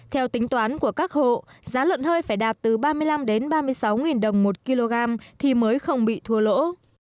theo tính toán của các hộ giá lợn hơi phải đạt từ ba mươi năm ba mươi sáu đồng một kg thì mới không bị thua lỗ